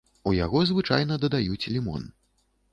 У яго звычайна дадаюць лімон.